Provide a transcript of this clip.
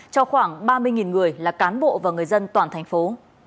cho khoảng ba mươi người là cán bộ và người dân toàn thành phố